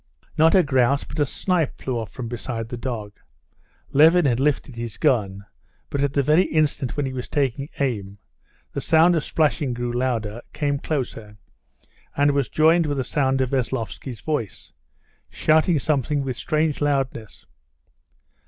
Not a grouse but a snipe flew up from beside the dog. Levin had lifted his gun, but at the very instant when he was taking aim, the sound of splashing grew louder, came closer, and was joined with the sound of Veslovsky's voice, shouting something with strange loudness.